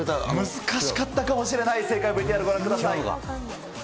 難しかったかもしれない、正解ＶＴＲご覧ください。